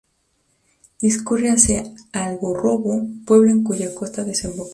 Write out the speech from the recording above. Discurre hacia Algarrobo, pueblo en cuya costa desemboca.